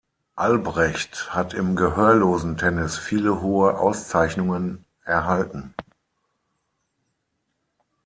Albrecht hat im Gehörlosen-Tennis viele hohe Auszeichnungen erhalten.